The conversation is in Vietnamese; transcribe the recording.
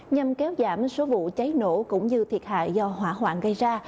nhằm kéo giảm số vụ cháy nổ cũng như thiệt hại do hỏa hoạn gây ra